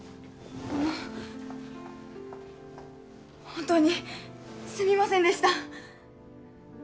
本当にすみませんでした。